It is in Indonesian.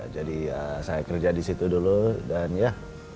ya saya kerja di situ dulu dan ya